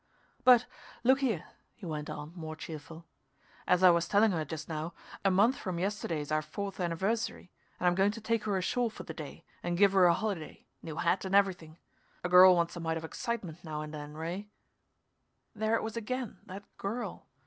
"But look here," he went on, more cheerful. "As I was telling her just now, a month from yesterday's our fourth anniversary, and I'm going to take her ashore for the day and give her a holiday new hat and everything. A girl wants a mite of excitement now and then, Ray." There it was again, that "girl."